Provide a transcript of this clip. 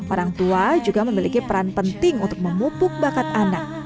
orang tua juga memiliki peran penting untuk memupuk bakat anak